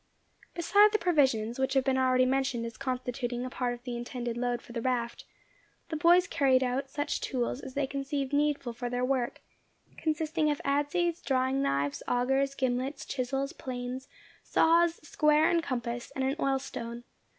Beside the provisions, which have been already mentioned as constituting a part of the intended load for the raft, the boys carried out such tools as they conceived needful for their work, consisting of adzes, drawing knives, augers, gimlets, chisels, planes, saws, square and compass, and an oil stone.